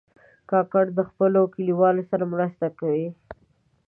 کاکړ د خپلو کلیوالو سره مرسته کوي.